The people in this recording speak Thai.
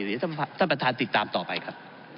เดี๋ยวท่านประธานติดตามต่อไปครับ